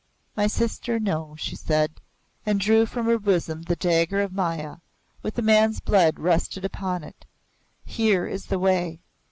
"My sister, no," she said, and drew from her bosom the dagger of Maya, with the man's blood rusted upon it. "Here is the way.